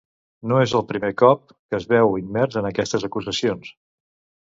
No és el primer cop que es veu immers en aquestes acusacions.